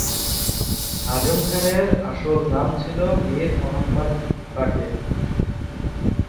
আযম খানের আসল নাম ছিল মীর মুহম্মদ বাকির।